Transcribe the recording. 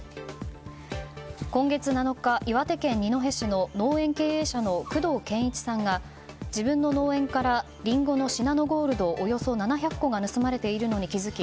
今月７日、岩手県二戸市の農園経営者の工藤憲一さんが自分の農園からリンゴのシナノゴールドおよそ７００個が盗まれているのに気付き